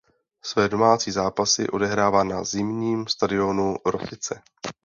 Své domácí zápasy odehrává na Zimním stadionu Rosice.